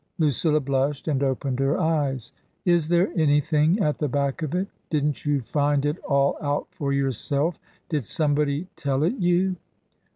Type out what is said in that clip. Lucilla blushed and opened her eyes. " Is there anything at the back of it? Didn't you find it all out for yourself? Did somebody tell it you